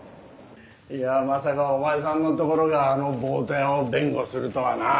いやまさかお前さんのところがあのボート屋を弁護するとはなあ。